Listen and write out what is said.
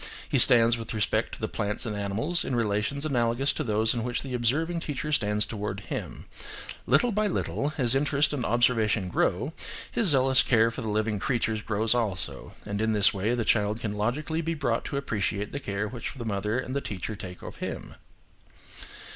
He stands with respect to the plants and animals in relations analogous to those in which the observing teacher stands towards him. Little by little, as interest and observation grow, his zealous care for the living creatures grows also, and in this way, the child can logically be brought to appreciate the care which the mother and the teacher take of him.